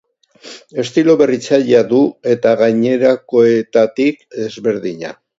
Estilo berritzailea du eta gainerakoetatik ezberdina.